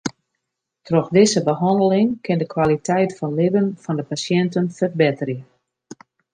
Troch dizze behanneling kin de kwaliteit fan libben fan de pasjinten ferbetterje.